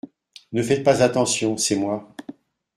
Ne faites pas attention… c’est moi…